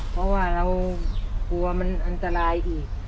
เพราะว่าเรากลัวมันอันตรายอีก